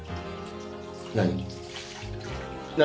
何？